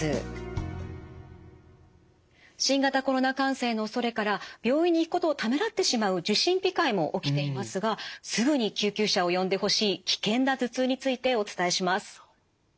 新型コロナ感染のおそれから病院に行くことをためらってしまう受診控えも起きていますがすぐに救急車を呼んでほしい危険な頭痛についてお伝えします。